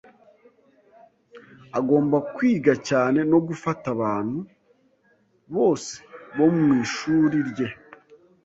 Agomba kwiga cyane no gufata abantu bose bo mu ishuri rye.